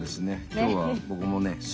今日は僕もね